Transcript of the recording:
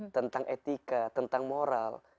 tentang etika tentang moral